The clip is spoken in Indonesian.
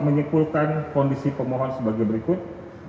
menyimpulkan kondisi pemohon sebagai berikut